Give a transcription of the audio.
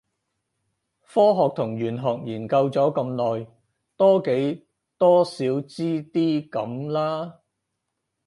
科學同玄學研究咗咁耐，多幾多少知啲咁啦